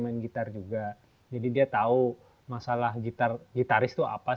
ini juga yang saya ingin kasih tau